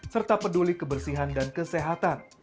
serta peduli kebersihan dan kesehatan